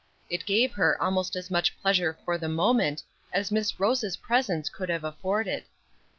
It gave her almost as much pleasure for the moment as Miss Rose's presence could have afforded.